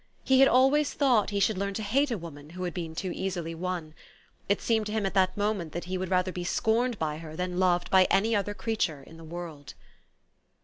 He had always thought he should learn to hate a woman who had been too easily won. It seemed to him at that moment that he would rather be scorned by her than loved by any other creature in the world.